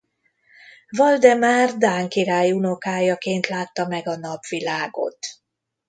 Valdemár dán király unokájaként látta meg a napvilágot.